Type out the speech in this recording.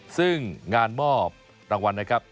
ซึ่งงานมอบรางวัลนะครับ